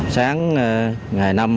sáng ngày năm